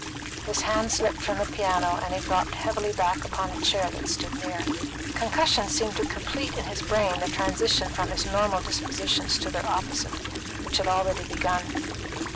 His hand slipped from the piano, and he dropped heavily back upon a chair that stood near. The concussion seemed to complete in his brain the transition from his normal dispositions to their opposite, which had already begun.